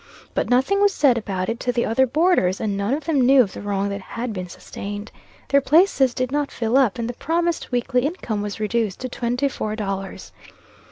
But nothing was said about it to the other boarders, and none of them knew of the wrong that had been sustained. Their places did not fill up, and the promised weekly income was reduced to twenty four dollars.